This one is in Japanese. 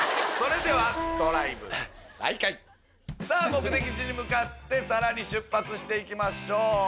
目的地に向かって出発していきましょう。